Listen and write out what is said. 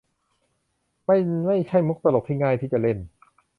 มันไม่ใช่มุกตลกที่ง่ายที่จะเล่น